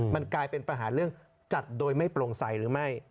มันกลายเป็นปัญหาเรื่องจัดโดยไม่โปร่งใสหรือไม่